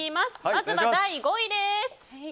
まずは第５位です。